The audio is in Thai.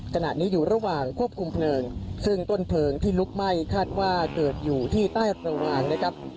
ขณะนี้อยู่ระหว่างควบคุมเพลิงซึ่งต้นเพลิงที่ลุกไหม้คาดว่าเกิดอยู่ที่ใต้ประมาณนะครับ